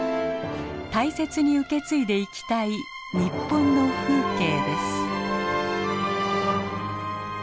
大切に受け継いでいきたい日本の風景です。